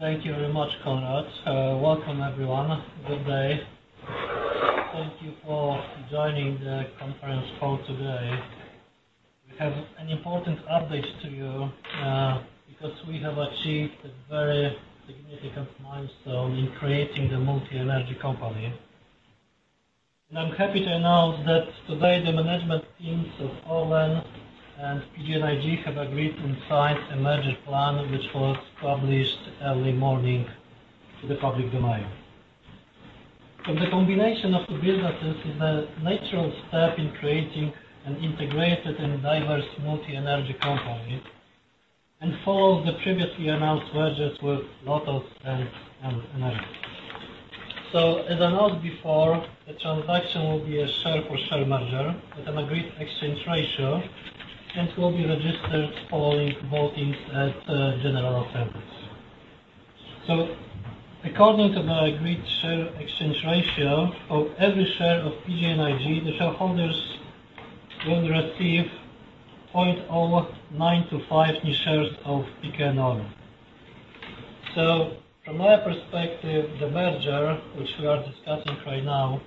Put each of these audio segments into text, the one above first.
Thank you very much, Konrad. Welcome everyone. Good day. Thank you for joining the Conference Call today. We have an important update to you, because we have achieved a very significant milestone in creating the multi-energy company. I'm happy to announce that today the Management Teams of ORLEN and PGNiG have agreed and signed a Merger Plan which was published early morning to the public domain. The combination of the businesses is a natural step in creating an integrated and diverse multi-energy company, and follows the previously announced Mergers with Lotos and Energa. As announced before, the transaction will be a share for share Merger at an agreed exchange ratio, and will be registered following voting at general assemblies. According to the agreed Share Exchange Ratio, of every share of PGNiG, the shareholders will receive 0.0925 new shares of PKN ORLEN. From my perspective, the Merger, which we are discussing right now,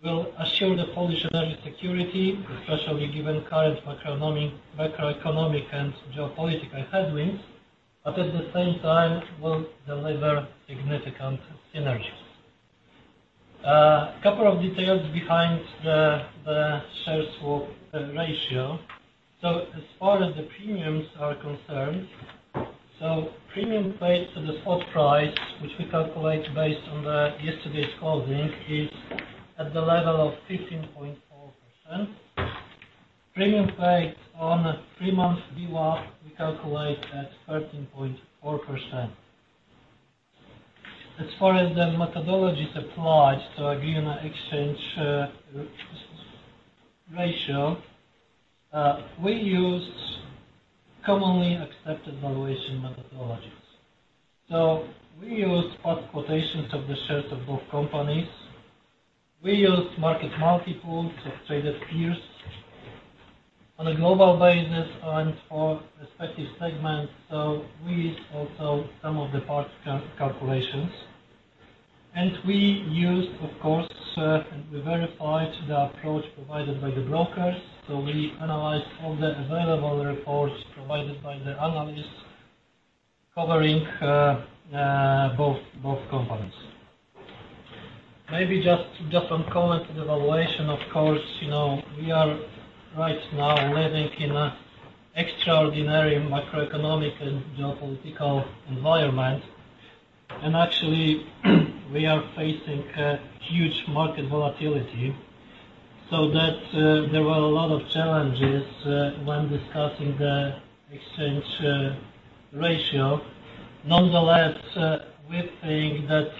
will assure the Polish energy security, especially given current macroeconomic and geopolitical headwinds, but at the same time will deliver significant synergies. Couple of details behind the share swap ratio. As far as the premiums are concerned, premium paid to the spot price, which we calculate based on yesterday's closing, is at the level of 15.4%. Premium paid on three-month VWAP, we calculate at 13.4%. As far as the methodologies applied to agree on an exchange ratio, we used commonly accepted valuation methodologies. We used spot quotations of the shares of both companies. We used market multiples of traded peers on a global basis and for respective segments. We used also some of the parts calculations. We used, of course, we verified the approach provided by the brokers. We analyzed all the available reports provided by the analysts covering both companies. Maybe just one comment to the valuation. Of course, you know, we are right now living in an extraordinary macroeconomic and geopolitical environment, and actually we are facing a huge market volatility. That there were a lot of challenges when discussing the exchange ratio. Nonetheless, we think that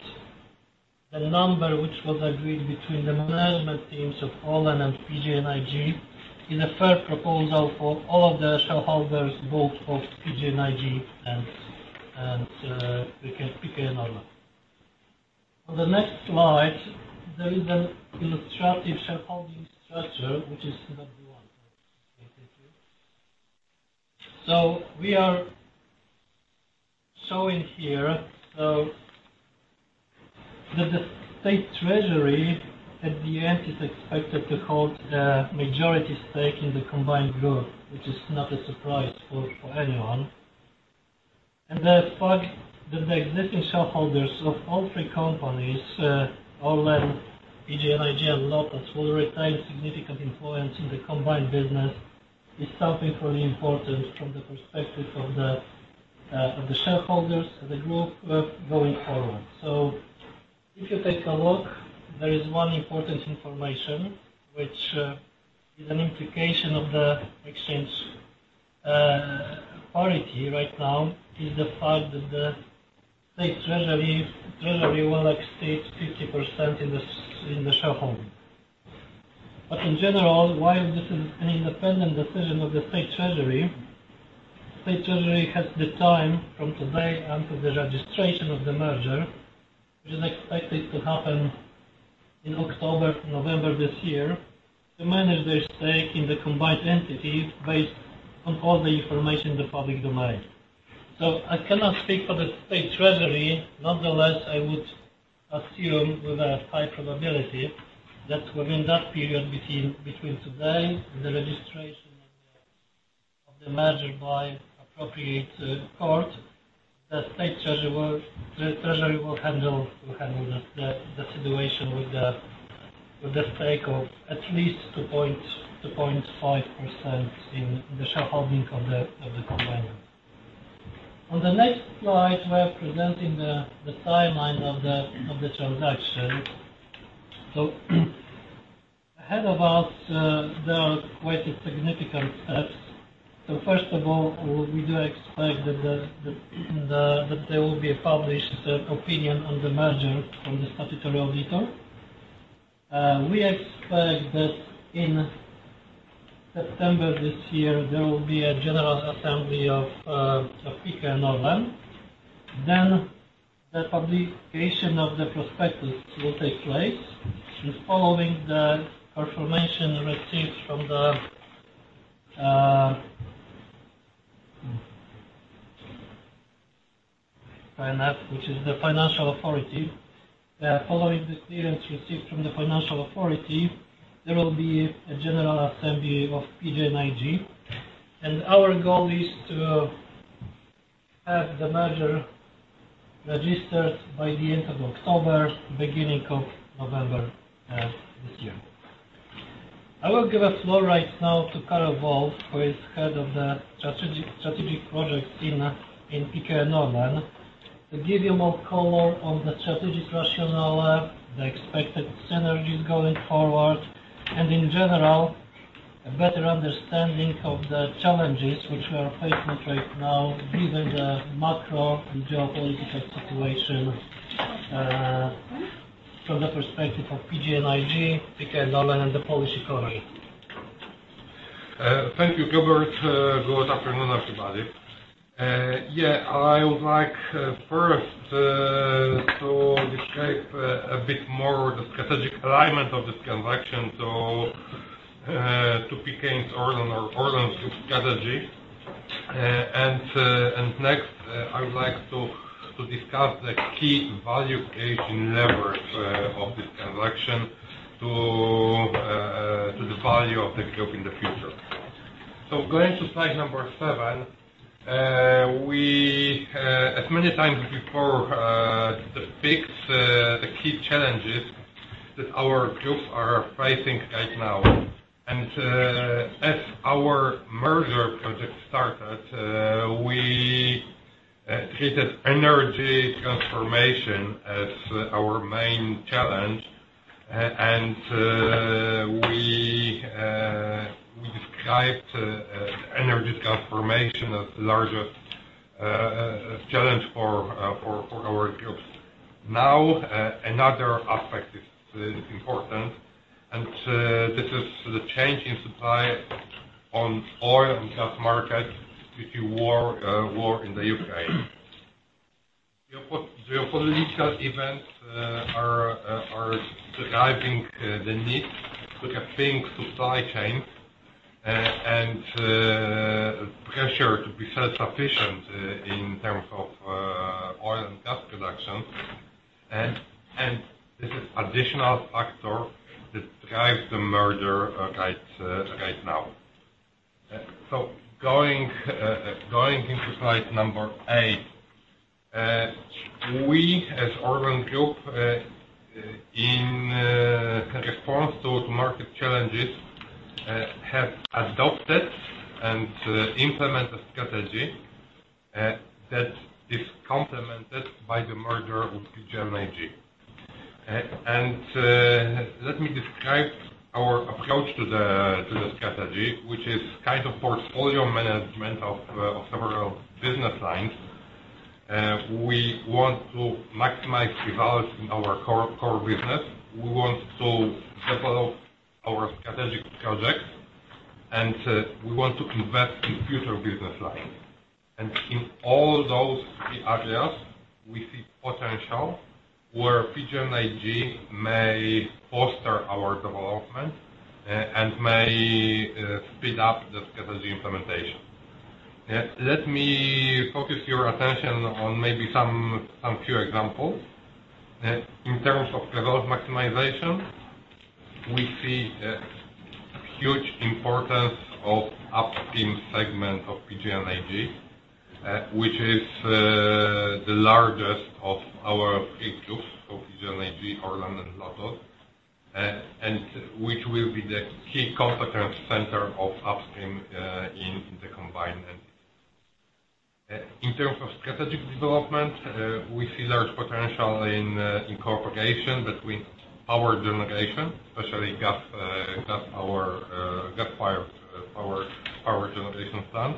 the number which was agreed between the Management Teams of ORLEN and PGNiG is a fair proposal for all of the shareholders, both of PGNiG and PKN ORLEN. On the next slide, there is an illustrative shareholding structure, which is number one. Thank you. We are showing here, so that the State Treasury at the end is expected to hold the majority stake in the combined group, which is not a surprise for anyone. The fact that the existing shareholders of all three companies, ORLEN, PGNiG, and Lotos, will retain significant influence in the combined business is something really important from the perspective of the shareholders and the group work going forward. If you take a look, there is one important information, which is an implication of the exchange priority right now, is the fact that the State Treasury will exceed 50% in the shareholding. In general, while this is an independent decision of the State Treasury, State Treasury has the time from today until the registration of the Merger, which is expected to happen in October, November this year, to manage their stake in the combined entity based on all the information in the public domain. I cannot speak for the State Treasury. Nonetheless, I would assume with a high probability that within that period between today and the registration of the Merger by appropriate court, the State Treasury will handle the situation with the stake of at least 2.5% in the shareholding of the combined group. On the next slide, we're presenting the timeline of the transaction. Ahead of us, there are quite a significant steps. First of all, we do expect that there will be a published opinion on the Merger from the statutory auditor. We expect that in September this year, there will be a general assembly of PKN ORLEN. Then the publication of the prospectus will take place. Following the clearance received from the financial authority, there will be a general assembly of PGNiG. Our goal is to have the Merger registered by the end of October, beginning of November, this year. I will give the floor right now to Karol Wolff, who is head of the strategic projects in PKN ORLEN, to give you more color on the strategic rationale, the expected synergies going forward, and in general, a better understanding of the challenges which we are facing right now, given the macro and geopolitical situation, from the perspective of PGNiG, PKN ORLEN, and the Polish economy. Thank you, Ireneusz. Good afternoon, everybody. Yeah, I would like, first, to describe a bit more the strategic alignment of this transaction to PKN ORLEN or ORLEN's strategy. Next, I would like to discuss the key value creation levers of this transaction to the value of the group in the future. Going to slide number seven, as many times before, depicts the key challenges that our groups are facing right now. As our Merger project started, we treated energy transformation as our main challenge. We described energy transformation as larger challenge for our groups. Now, another aspect is important, and this is the change in supply on oil and gas market due to war in the Ukraine. Geopolitical events are driving the need to rethink supply chain and pressure to be self-sufficient in terms of oil and gas production. This is additional factor that drives the Merger right now. Going into slide number eight, we as ORLEN Group in response to the market challenges have adopted and implemented strategy that is complemented by the Merger with PGNiG. Let me describe our approach to the strategy, which is kind of portfolio management of several business lines. We want to maximize the value in our core business. We want to develop our strategic projects, and we want to invest in future business lines. In all those key areas, we see potential where PGNiG may foster our development and may speed up the strategy implementation. Let me focus your attention on maybe some few examples. In terms of development maximization, we see a huge importance of upstream segment of PGNiG, which is the largest of our big groups of PGNiG, ORLEN and Lotos, and which will be the key competence center of upstream in the combined entity. In terms of strategic development, we see large potential in cooperation between power generation, especially gas power, gas-fired power generation plant,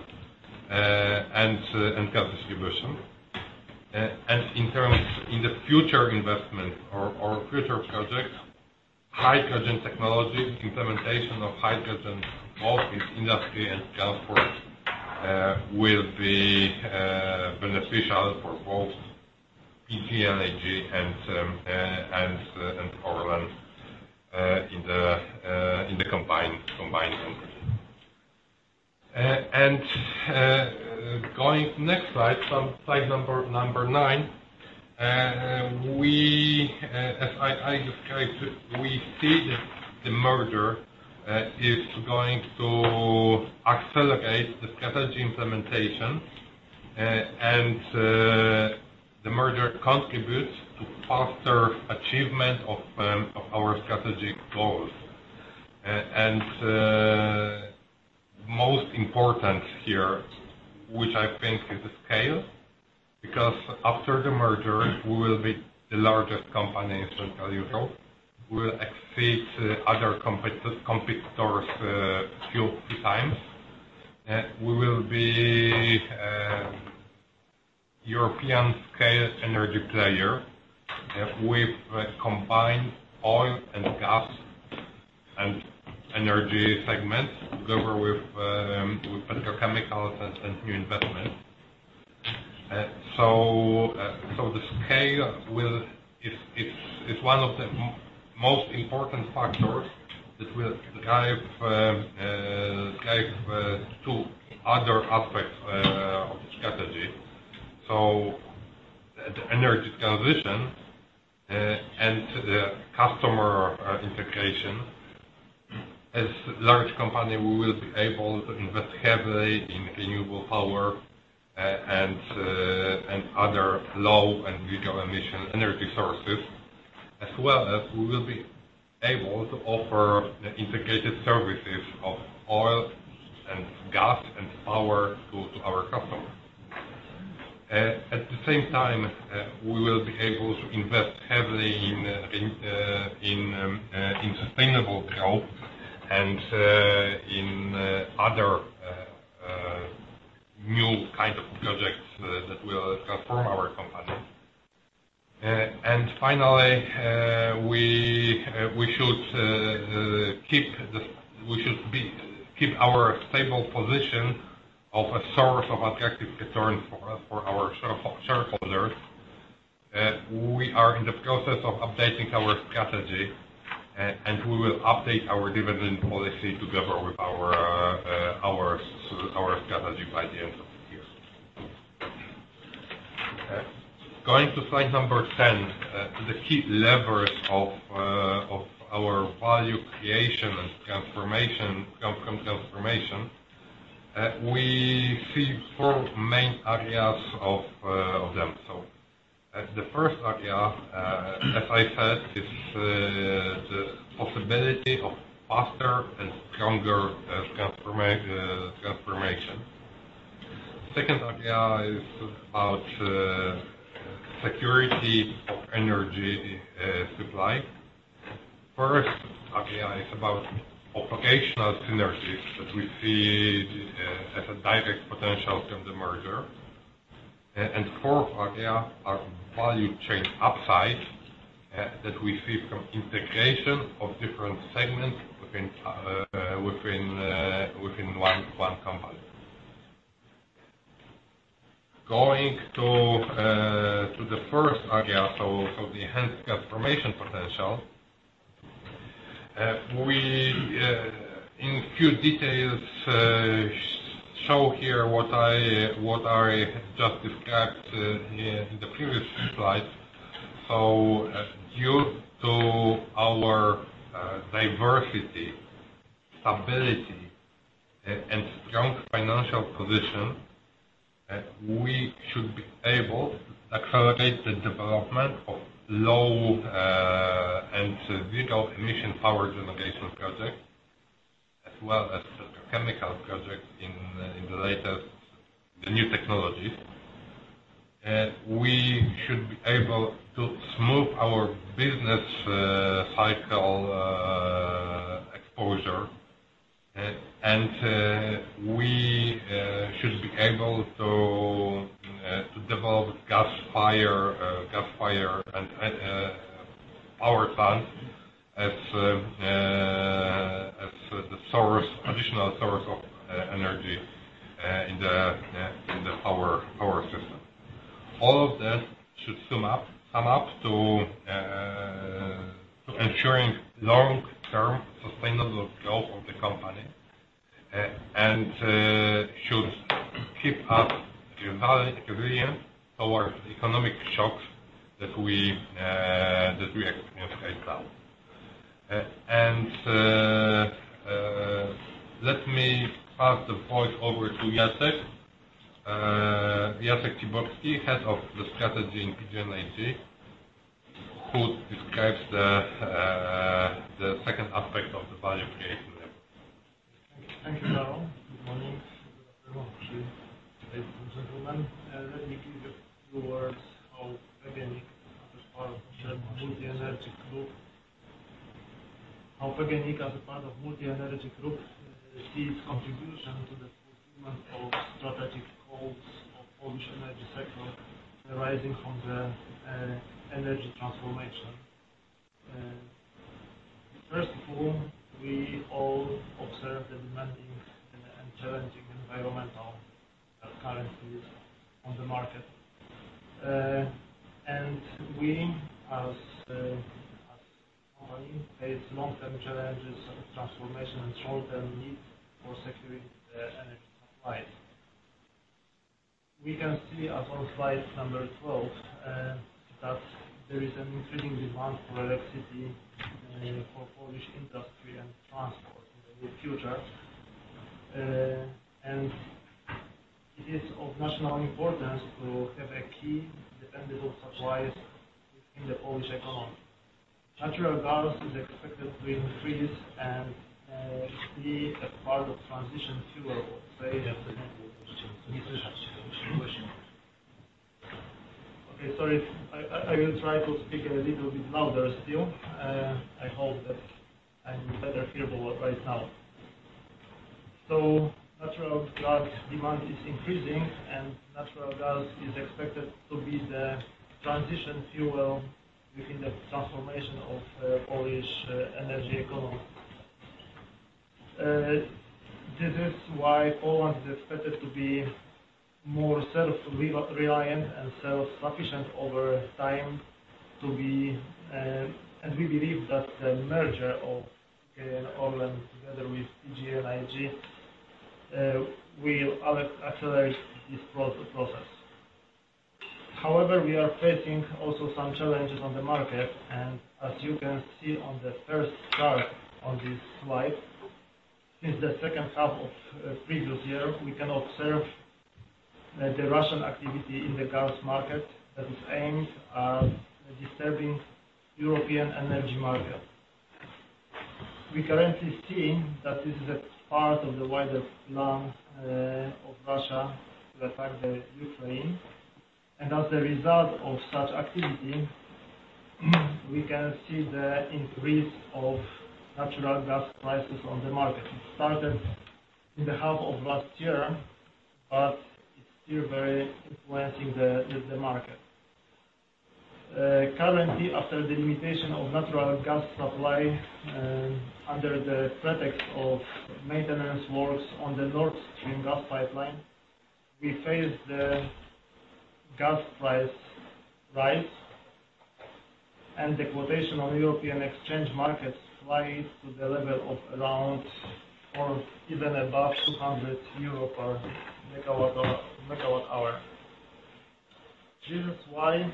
and gas distribution. In the future investment or future projects, hydrogen technology, implementation of hydrogen, both in industry and transport, will be beneficial for both PGNiG and ORLEN in the combined entity. Going to next slide, so slide number nine. As I described, we see the Merger is going to accelerate the strategy implementation. The Merger contributes to faster achievement of our strategic goals. Most important here, which I think is the scale, because after the Merger, we will be the largest company in Central Europe. We will exceed other competitors few times. We will be European scale energy player with a combined oil and gas and energy segments, together with petrochemicals and new investments. The scale will it's one of the most important factors that will drive two other aspects of the strategy. The energy transition and the customer integration. As a large company, we will be able to invest heavily in Renewable Power and other low and zero-emission energy sources, as well as we will be able to offer the integrated services of oil and gas and power to our customers. At the same time, we will be able to invest heavily in sustainable growth and in other new kind of projects that will transform our company. Finally, we should keep our stable position as a source of attractive return for our shareholders. We are in the process of updating our strategy, and we will update our dividend policy together with our strategy by the end of the year. Going to slide 10, the key levers of our value creation and transformation come from transformation. We see four main areas of them. The first area, as I said, is the possibility of faster and stronger transformation. Second area is about security of energy supply. First area is about operational synergies that we see as a direct potential from the Merger. Fourth area are value chain upside that we see from integration of different segments within one company. Going to the first area of the enhanced transformation potential, we in few details show here what I just described in the previous slide. Due to our diversity, stability, and strong financial position, we should be able to accelerate the development of low and zero-emission power generation projects, as well as chemical projects in the latest new technologies. We should be able to smooth our business cycle exposure, and we should be able to develop gas-fired power plants as the additional source of energy in the power system. All of that should sum up to ensuring long-term sustainable growth of the company, and should keep us resilient towards economic shocks that we experienced right now. Let me pass the voice over to Jacek. Jacek Ciborski, head of the strategy in PGNiG, who describes the second aspect of the value creation level. Thank you, Karol. Good morning. Ladies and gentlemen, let me give you a few words how PGNiG as a part of multi energy group sees contribution to the fulfillment of strategic goals of Polish energy sector arising from the energy transformation. First of all, we all observe the demanding and challenging environment that currently is on the market. We as a company face long-term challenges of transformation and short-term need for securing the energy supplies. We can see as on slide number 12 that there is an increasing demand for electricity for Polish industry and transport in the near future. It is of national importance to have a key dependable supplies within the Polish economy. Natural gas is expected to increase and be a part of transition fuel of various emissions reduction. Okay. Sorry. I will try to speak a little bit louder still. I hope that I'm better hearable right now. Natural gas demand is increasing and natural gas is expected to be the transition fuel within the transformation of Polish energy economy. This is why Poland is expected to be more self-reliant and self-sufficient over time. We believe that the Merger of ORLEN together with PGNiG will accelerate this process. However, we are facing also some challenges on the market, and as you can see on the first chart on this slide, since the second half of previous year, we can observe the Russian activity in the gas market that is aimed at disturbing European energy market. We currently see that this is a part of the wider plan of Russia to attack Ukraine. As a result of such activity, we can see the increase of natural gas prices on the market. It started in the half of last year, but it's still very influencing the market. Currently after the limitation of natural gas supply under the pretext of maintenance works on the Nord Stream gas pipeline, we face the gas price rise, and the quotation on European exchange markets rise to the level of around or even above 200 euro per MWh. This is why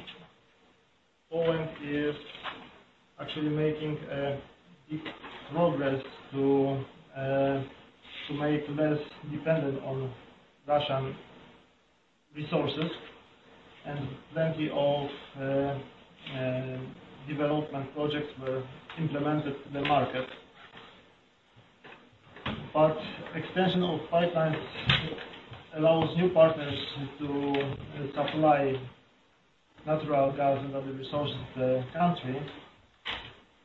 Poland is actually making big progress to make less dependent on Russian resources. Plenty of development projects were implemented in the market. Extension of pipelines allows new partners to supply natural gas and other resources to the country,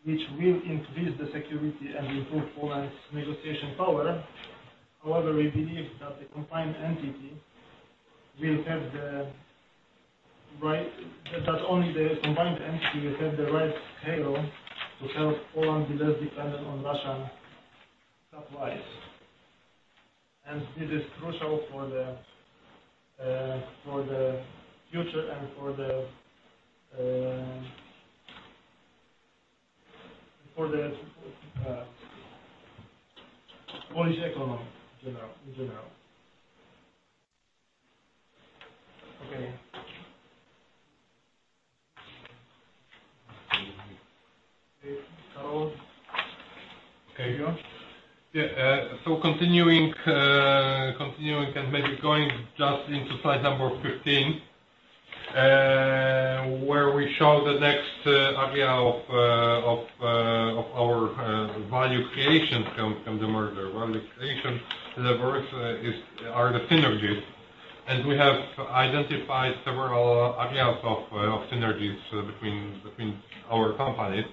which will increase the security and improve Poland's negotiation power. However, we believe that the combined entity will have the right... That only the combined entity will have the right scale to help Poland be less dependent on Russian supplies. It is crucial for the future and for the Polish economy in general. Okay. Karol? Yeah. So continuing and maybe going just into slide number 15, where we show the next area of our value creation from the Merger. Value creation levers are the synergies. We have identified several areas of synergies between our companies.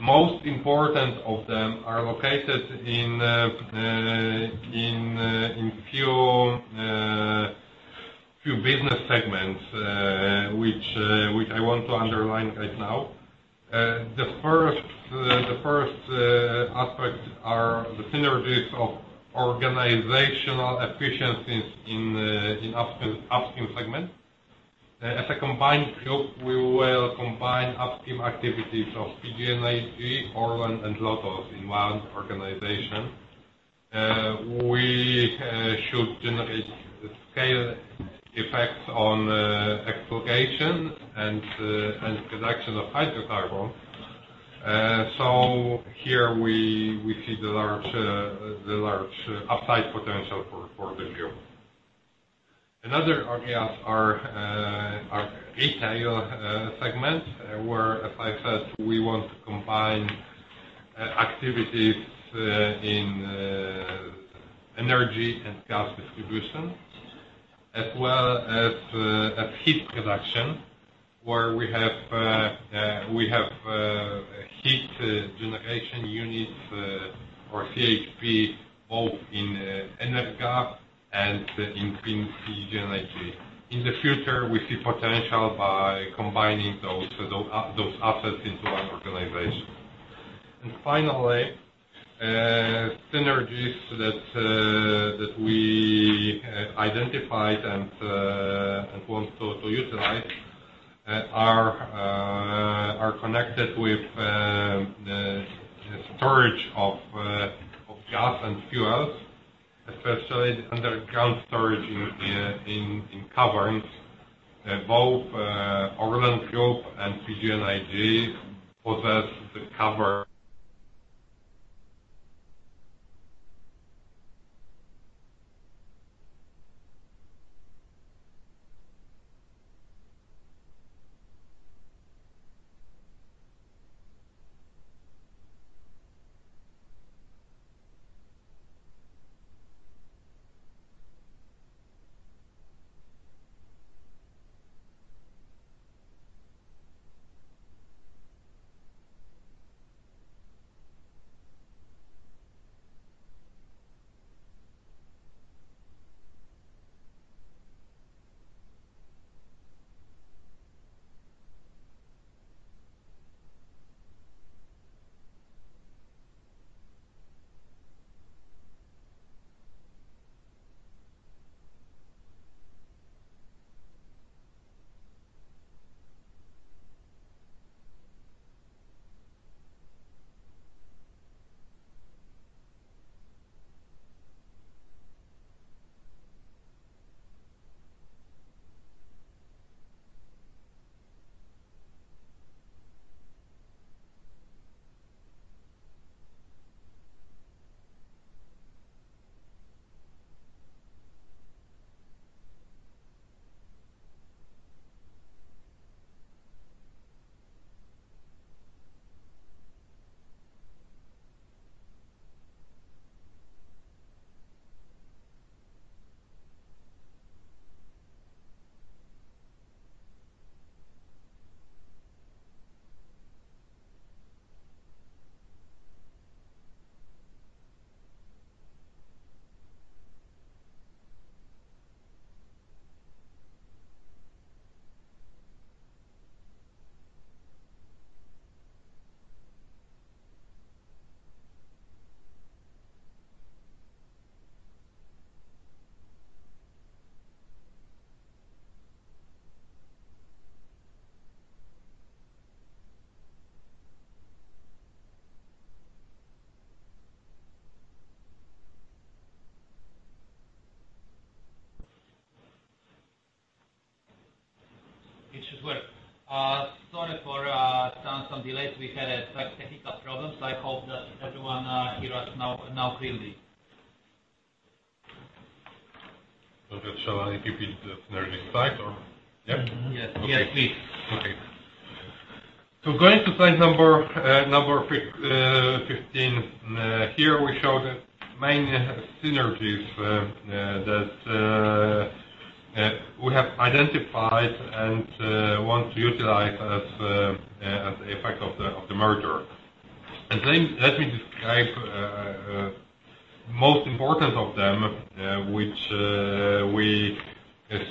Most important of them are located in few business segments, which I want to underline right now. The first aspect are the synergies of organizational efficiencies in upstream segment. As a combined group, we will combine upstream activities of PGNiG, ORLEN, and Lotos in one organization. We should generate scale effects on exploration and production of hydrocarbons. Here we see the large upside potential for the group. Another areas are retail segment, where, as I said, we want to combine activities in energy and gas distribution, as well as heat production, where we have heat generation units or CHP, both in Energa and in PGNiG. In the future, we see potential by combining those assets into one organization. Finally, synergies that we identified and want to utilize are connected with the storage of gas and fuels, especially underground storage in caverns. Both ORLEN Group and PGNiG possess the cavern. It should work. Sorry for some delays. We had some technical problems. I hope that everyone hear us now clearly. Okay. Shall I keep it the synergies slide or? Yeah? Yes. Yes, please. Okay. Going to slide number 15. Here we show the main synergies that we have identified and want to utilize as the effect of the Merger. Let me describe most important of them, which we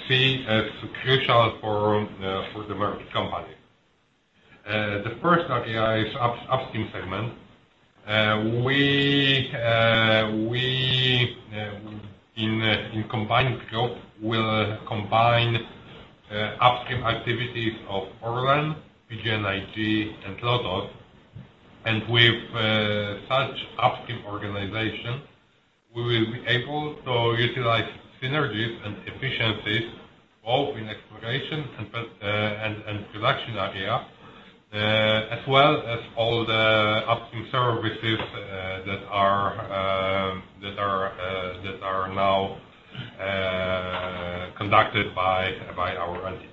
see as crucial for the merged company. The first area is upstream segment. In combining scope we will combine upstream activities of ORLEN, PGNiG and Lotos. With such upstream organization, we will be able to utilize synergies and efficiencies both in exploration and production area, as well as all the upstream services that are now conducted by our entities.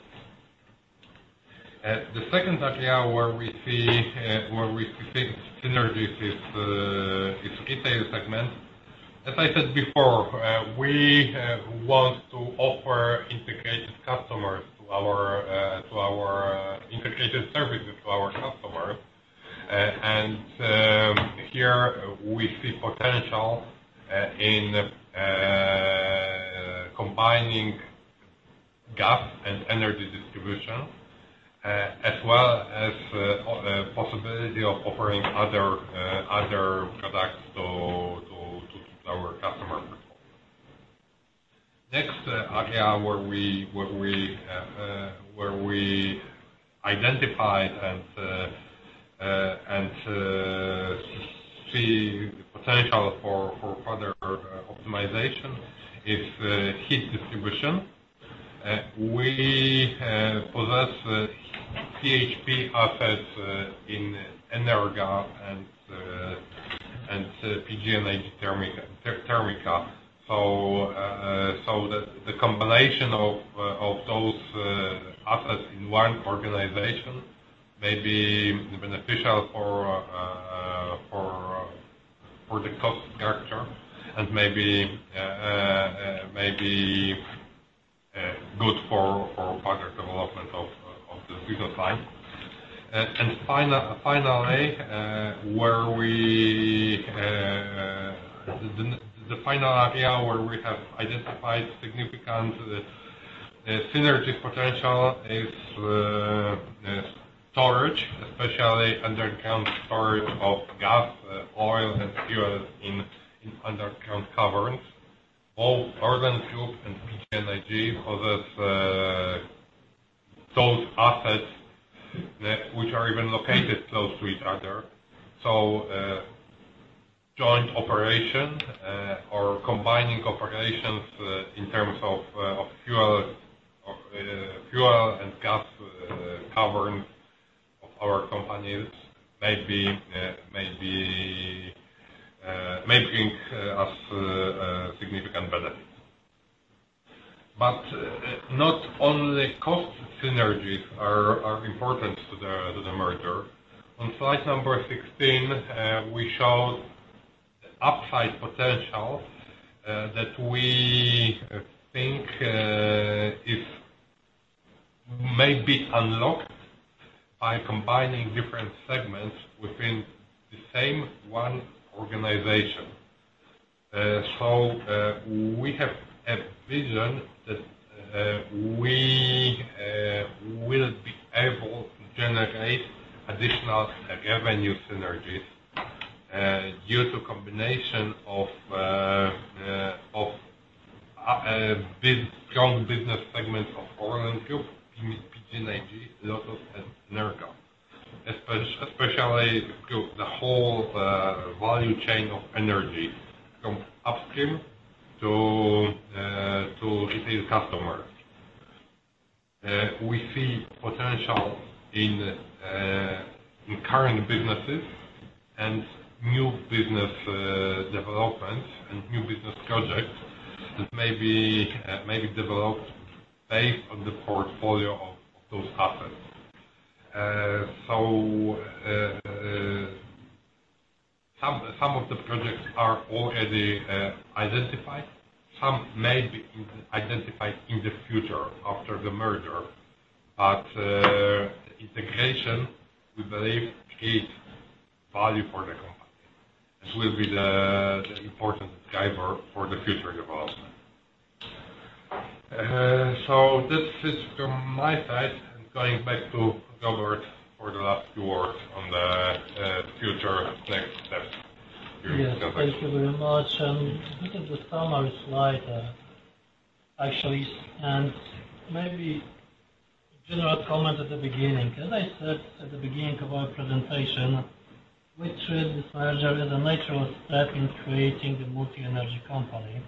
The second area where we see synergies is retail segment. As I said before, we want to offer integrated services to our customers. Here we see potential in combining gas and energy distribution, as well as possibility of offering other products to our customers. Next area where we identified and see the potential for further optimization is heat distribution. We possess CHP assets in Energa and PGNiG Termika. The combination of those assets in one organization may be beneficial for the cost structure and maybe good for further development of the business line. Finally, the final area where we have identified significant synergies potential is storage, especially underground storage of gas, oil and fuels in underground caverns. Both ORLEN Group and PGNiG possess those assets which are even located close to each other. Joint operation or combining operations in terms of fuel and gas caverns of our companies may bring us significant benefits. Not only cost synergies are important to the Merger. On slide number 16, we showed upside potential that we think may be unlocked by combining different segments within the same one organization. We have a vision that we will be able to generate additional revenue synergies due to combination of robust business segments of ORLEN Group, PGNiG, Lotos, and Energa, especially through the whole value chain of energy from upstream to retail customers. We see potential in current businesses and new business developments and new business projects that may be developed based on the portfolio of those assets. Some of the projects are already identified. Some may be identified in the future after the Merger. Integration, we believe, creates value for the company. This will be the important driver for the future development. This is from my side. I'm going back to Ireneusz for the last few words on the future next steps. Yes. [inaudible] Thank you very much. This is the summary slide, actually, and maybe a general comment at the beginning. As I said at the beginning of our presentation, we treat this Merger as a natural step in creating a multi-energy company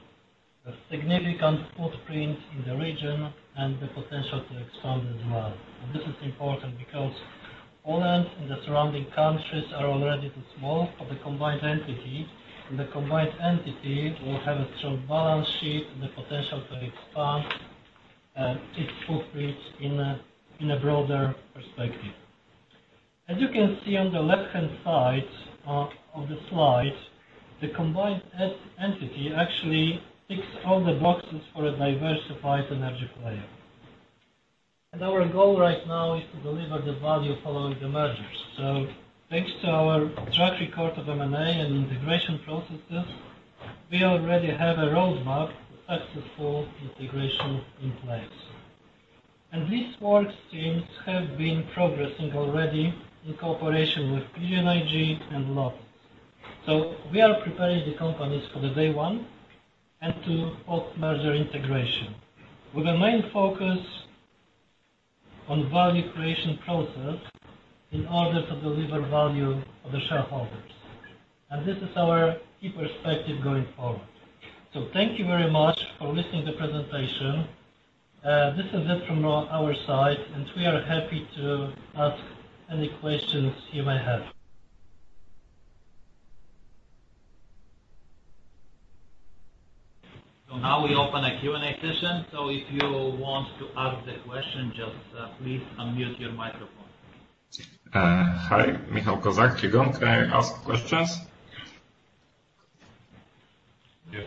with significant footprint in the region and the potential to expand as well. This is important because Poland and the surrounding countries are already too small for the combined entity, and the combined entity will have a strong balance sheet and the potential to expand its footprint in a broader perspective. As you can see on the left-hand side of the slide, the combined entity actually ticks all the boxes for a diversified energy player. Our goal right now is to deliver the value following the Mergers. Thanks to our track record of M&A and integration processes, we already have a roadmap for successful integration in place. These work streams have been progressing already in cooperation with PGNiG and Lotos. We are preparing the companies for the day one and to post-Merger integration, with the main focus on value creation process in order to deliver value for the shareholders. This is our key perspective going forward. Thank you very much for listening to the presentation. This is it from our side, and we are happy to ask any questions you may have. Now we open a Q&A session. If you want to ask the question, just, please unmute your microphone. Hi. Michał Kozak, Trigon. Can I ask questions? Yeah.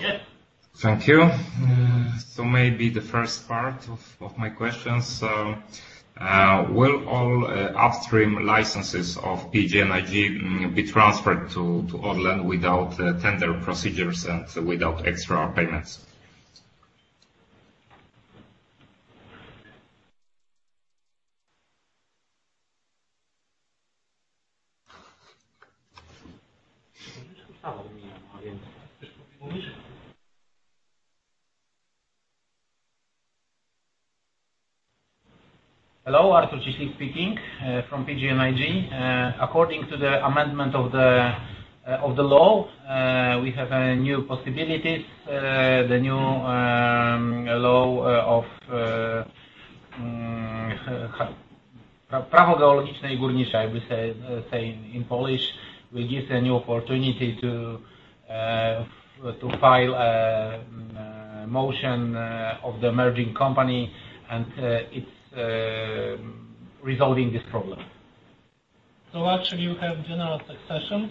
Yeah. Thank you. Maybe the first part of my questions. Will all upstream licenses of PGNiG be transferred to ORLEN without tender procedures and without extra payments? Hello. Artur Cieślik speaking from PGNiG. According to the amendment of the law, we have new possibilities. The new law, I would say in Polish, will give a new opportunity to file motion of the Merging Company, and it's resolving this problem. Actually you have general succession,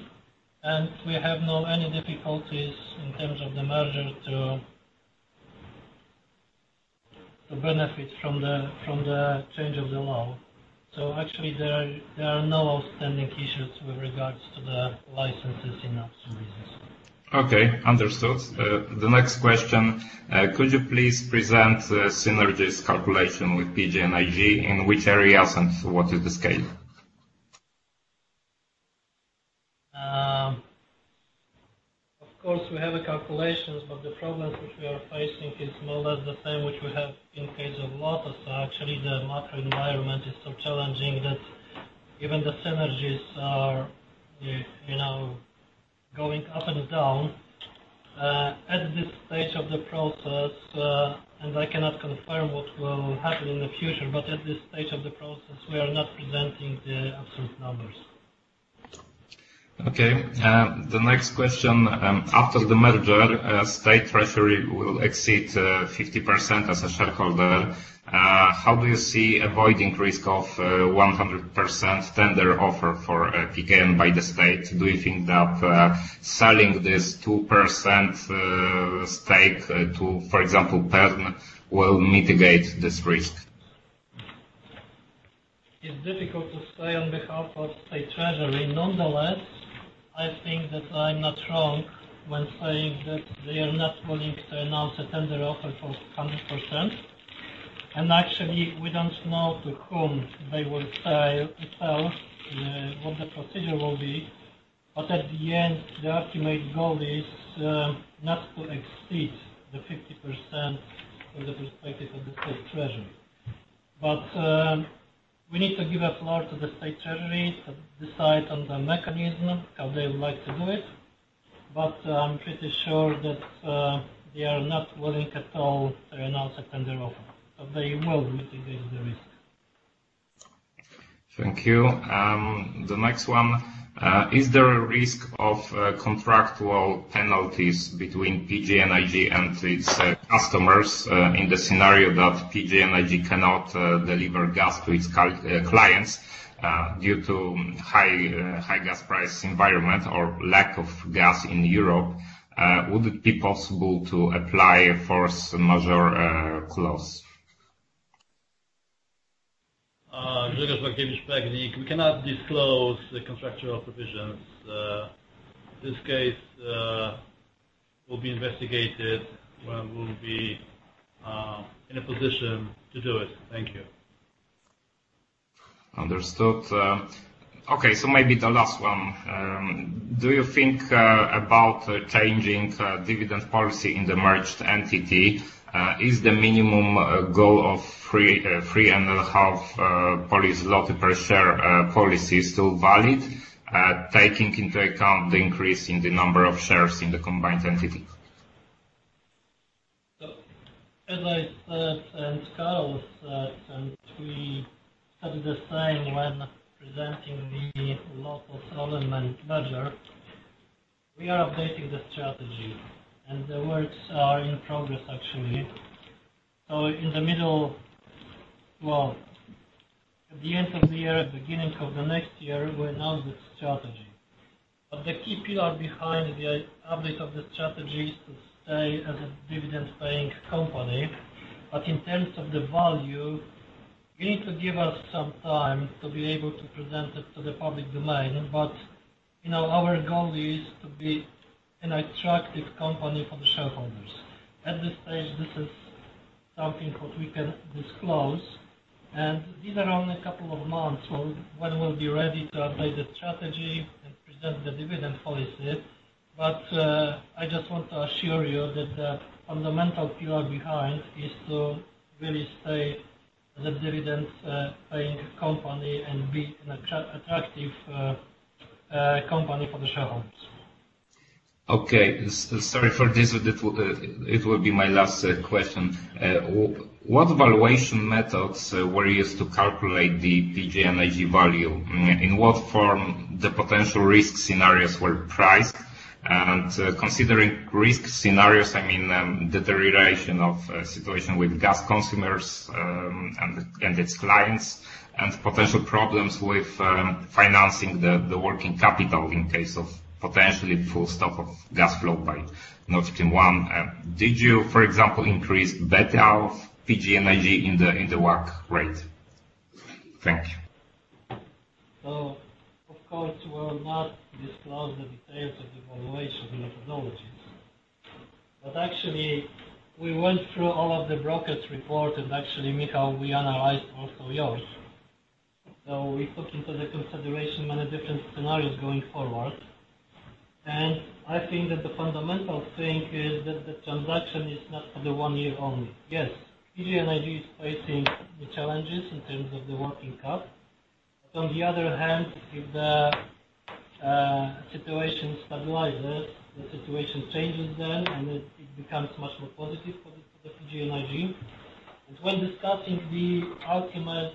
and we have no any difficulties in terms of the Merger to benefit from the change of the law. Actually, there are no outstanding issues with regards to the licenses in upstream business. Okay. Understood. The next question. Could you please present the synergies calculation with PGNiG, in which areas and what is the scale? Of course we have the calculations, but the problems which we are facing is more or less the same which we have in case of Lotos. Actually, the macro environment is so challenging that even the synergies are, you know, going up and down. At this stage of the process, and I cannot confirm what will happen in the future, but at this stage of the process, we are not presenting the absolute numbers. Okay. The next question. After the Merger, State Treasury will exceed 50% as a shareholder. How do you see avoiding risk of 100% tender offer for PGNiG by the state? Do you think that selling this 2% stake to, for example, PERN, will mitigate this risk? It's difficult to say on behalf of State Treasury. Nonetheless, I think that I'm not wrong when saying that they are not willing to announce a tender offer for 100%. Actually, we don't know to whom they will sell, what the procedure will be. At the end, the ultimate goal is not to exceed the 50% from the perspective of the State Treasury. We need to give the floor to the State Treasury to decide on the mechanism, how they would like to do it. I'm pretty sure that they are not willing at all to announce a tender offer, but they will mitigate the risk. Thank you. The next one, is there a risk of contractual penalties between PGNiG and its customers, in the scenario that PGNiG cannot deliver gas to its clients, due to high gas price environment or lack of gas in Europe? Would it be possible to apply force majeure clause? Grzegorz Magiewicz, PGNiG. We cannot disclose the contractual provisions. This case will be investigated when we'll be in a position to do it. Thank you. Understood. Okay, maybe the last one. Do you think about changing dividend policy in the merged entity? Is the minimum goal of 3.5 per share policy still valid, taking into account the increase in the number of shares in the combined entity? As I said, and Karol said, and we said it the same when presenting the Lotos ORLEN Merger, we are updating the strategy, and the works are in progress, actually. Well, at the end of the year, beginning of the next year, we'll announce the strategy. The key pillar behind the update of the strategy is to stay as a dividend-paying company. In terms of the value, you need to give us some time to be able to present it to the public domain. You know, our goal is to be an attractive company for the shareholders. At this stage, this is something that we can disclose. These are only a couple of months from when we'll be ready to update the strategy and present the dividend policy. I just want to assure you that the fundamental pillar behind is to really stay as a dividend paying company and be an attractive company for the shareholders. Okay. Sorry for this. It will be my last question. What valuation methods were used to calculate the PGNiG value? In what form the potential risk scenarios were priced? Considering risk scenarios, I mean, deterioration of situation with gas consumers, and its clients, and potential problems with financing the working capital in case of potentially full stop of gas flow by Nord Stream 1. Did you, for example, increase beta of PGNiG in the WACC rate? Thank you. Of course, we will not disclose the details of the valuation methodologies. Actually, we went through all of the brokers' report, and actually, Michał, we analyzed also yours. We took into the consideration many different scenarios going forward, and I think that the fundamental thing is that the transaction is not for the one year only. Yes, PGNiG is facing the challenges in terms of the working cap. On the other hand, if the situation stabilizes, the situation changes then, and it becomes much more positive for the PGNiG. When discussing the ultimate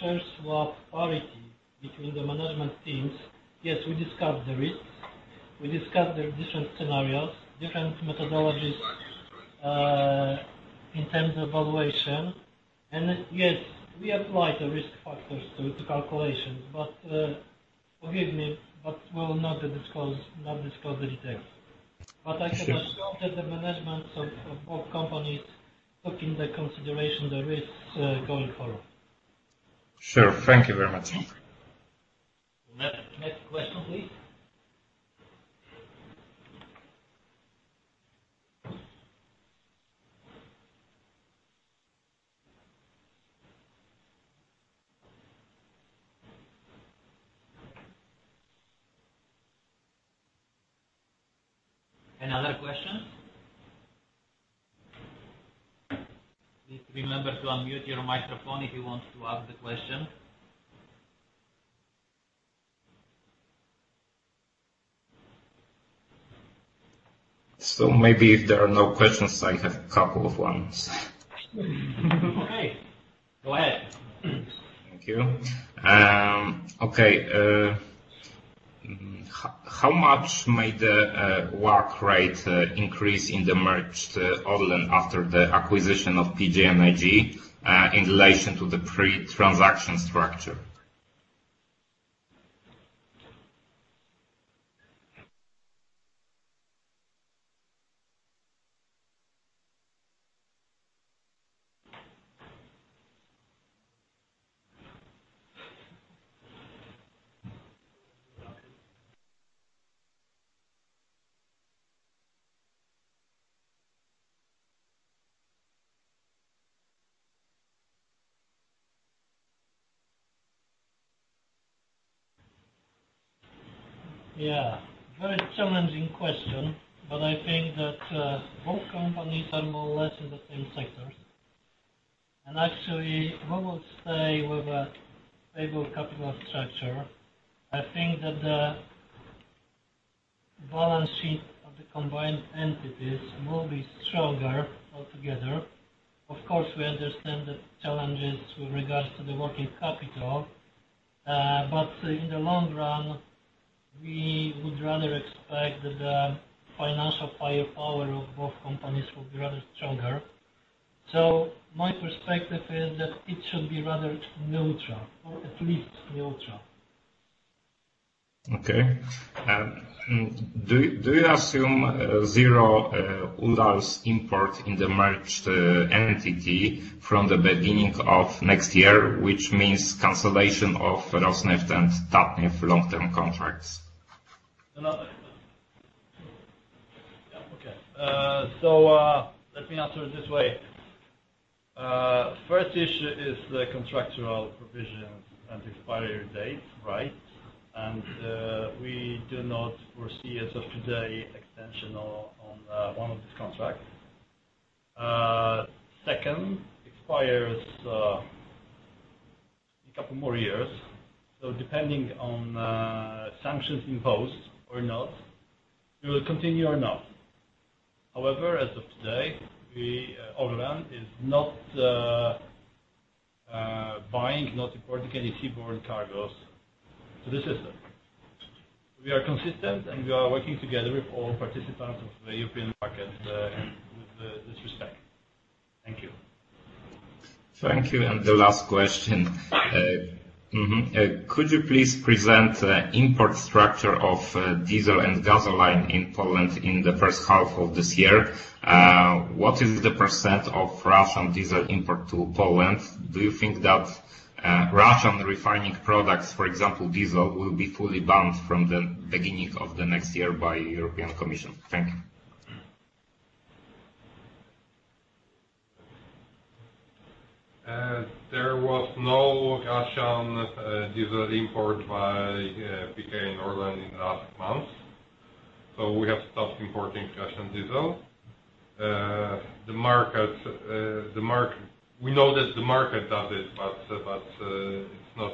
share swap priority between the Management Teams, yes, we discussed the risks. We discussed the different scenarios, different methodologies in terms of valuation. Yes, we applied the risk factors to calculations. Forgive me, but we'll not disclose the details. Sure. I can assure that the managements of both companies took into consideration the risks going forward. Sure. Thank you very much. Next question, please. Any other questions? Please remember to unmute your microphone if you want to ask the question. Maybe if there are no questions, I have a couple of ones. Okay, go ahead. Thank you. How much may the WACC rate increase in the merged ORLEN after the acquisition of PGNiG in relation to the pre-transaction structure? Yeah, very challenging question, but I think that both companies are more or less in the same sector. Actually, who will stay with a stable capital structure? I think that the balance sheet of the combined entities will be stronger altogether. Of course, we understand the challenges with regards to the working capital, but in the long run, we would rather expect that the financial firepower of both companies will be rather stronger. My perspective is that it should be rather neutral or at least neutral. Okay. Do you assume zero Urals import in the merged entity from the beginning of next year, which means cancellation of Rosneft and Tatneft long-term contracts? No. Yeah. Okay. Let me answer it this way. First issue is the contractual provisions and expiry dates, right? We do not foresee as of today extension on one of these contracts. Second expires in a couple more years. Depending on sanctions imposed or not, we will continue or not. However, as of today, we, ORLEN is not buying, not importing any seaborne cargoes to the system. We are consistent, and we are working together with all participants of the European market, and with them in this respect. Thank you. Thank you. The last question. Could you please present the import structure of diesel and gasoline in Poland in the first half of this year? What is the % of Russian diesel import to Poland? Do you think that Russian refining products, for example, diesel, will be fully banned from the beginning of the next year by European Commission? Thank you. There was no Russian diesel import by PKN ORLEN in the last month. We have stopped importing Russian diesel. We know that the market does it, but it's not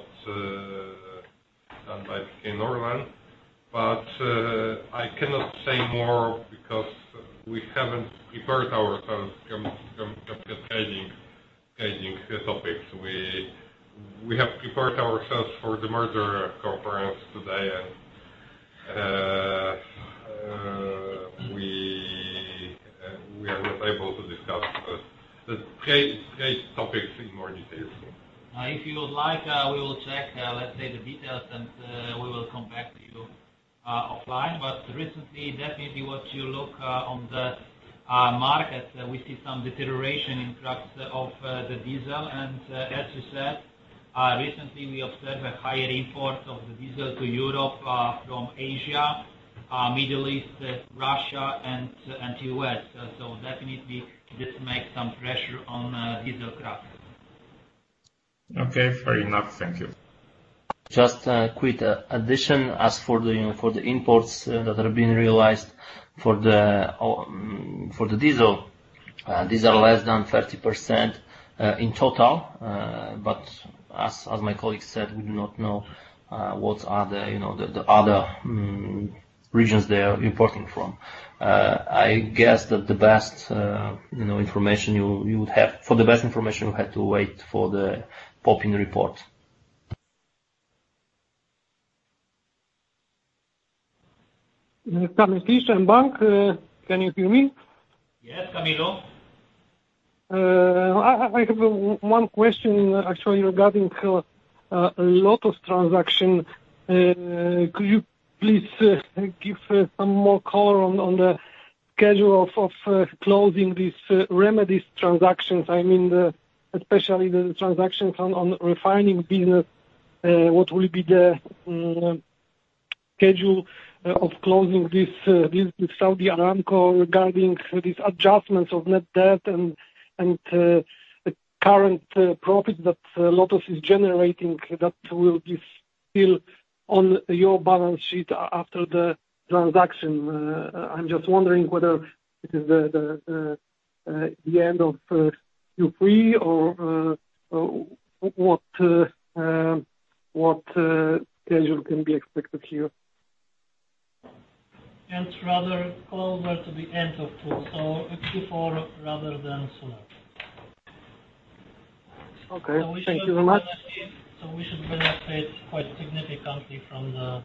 done by PKN ORLEN. I cannot say more because we haven't prepared ourselves for competing topics. We have prepared ourselves for the Merger conference today, and we are not able to discuss the competing topics in more detail. If you would like, we will check, let's say the details, and we will come back to you offline. Recently, definitely once you look on the market, we see some deterioration in diesel cracks. As you said, recently we observed a higher import of the diesel to Europe from Asia, Middle East, Russia, and U.S. Definitely this makes some pressure on diesel cracks. Okay. Fair enough. Thank you. Just a quick addition. As for the imports that are being realized for the diesel, these are less than 30% in total. As my colleague said, we do not know what the other regions they are importing from. I guess for the best information you would have to wait for the POPiHN report. Kamil Kliszcz, mBank. Can you hear me? Yes, Kamil. I have one question actually regarding the Lotos transaction. Could you please give some more color on the schedule of closing these remedies transactions? I mean the especially the transactions on the refining business. What will be the schedule of closing this with Saudi Aramco regarding these adjustments of net debt and the current profit that Lotos is generating that will be still on your balance sheet after the transaction? I'm just wondering whether it is the end of Q3 or what schedule can be expected here. It's rather closer to the end of Q4, so Q4 rather than sooner. Okay. Thank you very much. We should benefit quite significantly from the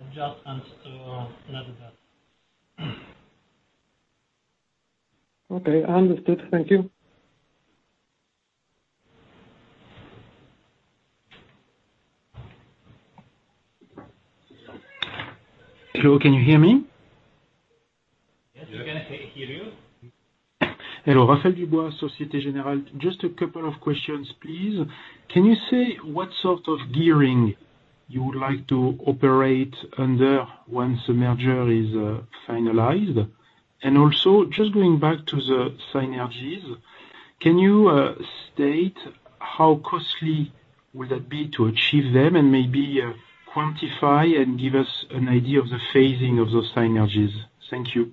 adjustments to net debt. Okay, understood. Thank you. Hello, can you hear me? Yes, we can hear you. Hello, Raphaël Dubois, Société Générale. Just a couple of questions, please. Can you say what sort of gearing you would like to operate under once the Merger is finalized? Also just going back to the synergies, can you state how costly will that be to achieve them and maybe quantify and give us an idea of the phasing of those synergies? Thank you.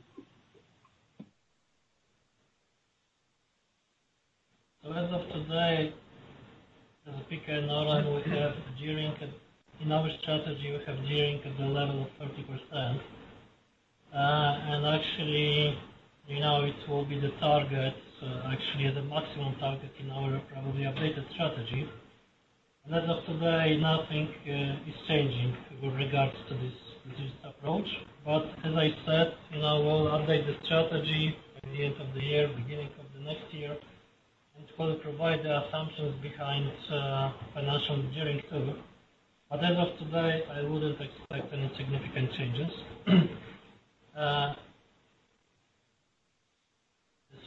As of today, as PKN ORLEN, we have gearing at. In our strategy, we have gearing at the level of 30%. Actually, you know, it will be the target, actually the maximum target in our probably updated strategy. As of today, nothing is changing with regards to this approach. As I said, you know, we'll update the strategy at the end of the year, beginning of the next year. It will provide the assumptions behind financial gearing too. As of today, I wouldn't expect any significant changes. As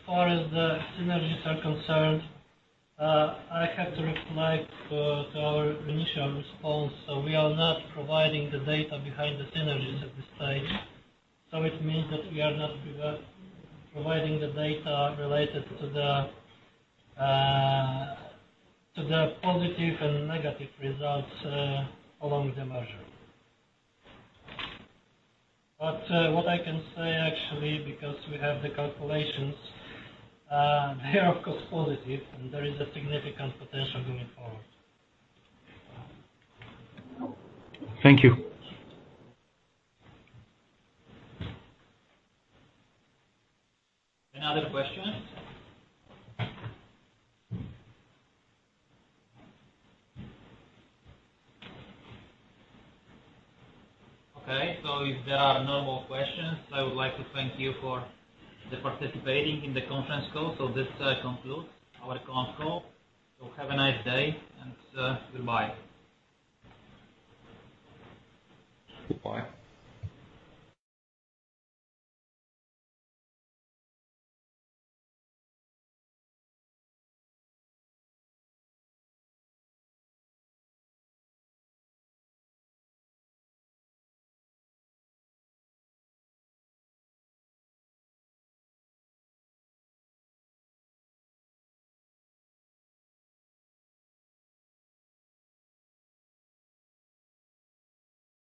far as the synergies are concerned, I have to refer to our initial response. We are not providing the data behind the synergies at this stage. It means that we are not providing the data related to the positive and negative results along the Merger. What I can say actually, because we have the calculations, they are of course positive and there is a significant potential going forward. Thank you. Any other questions? Okay. If there are no more questions, I would like to thank you for the participating in the conference call. This concludes our conference call. Have a nice day and goodbye. Goodbye.